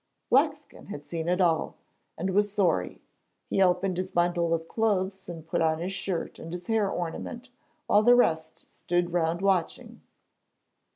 Blackskin had seen it all, and was sorry. He opened his bundle of clothes and put on his shirt and his hair ornament, while the rest stood round watching.